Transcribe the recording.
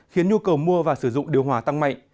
khiến nhu cầu mua và sử dụng điều hòa tăng mạnh